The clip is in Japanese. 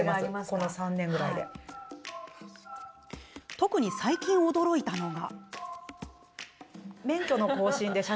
特に最近、驚いたのが。